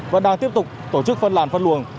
vẫn đang tiếp tục tổ chức phân làn phân luồng